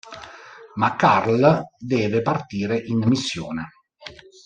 Ma Karl deve partire in missione.